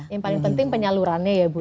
yang paling penting penyalurannya ya bu